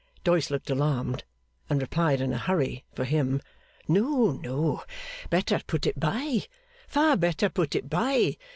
Doyce looked alarmed, and replied in a hurry for him, 'No, no. Better put it by. Far better put it by.